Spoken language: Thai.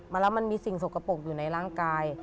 แล้วมันมีสิ่งสกปรกอยู่ในร่างกาย